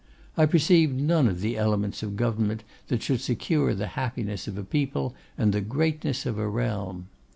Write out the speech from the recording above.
I perceive none of the elements of government that should secure the happiness of a people and the greatness of a realm.